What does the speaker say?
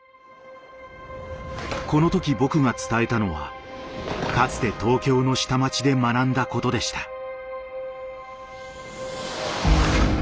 この時僕が伝えたのはかつて東京の下町で学んだことでした。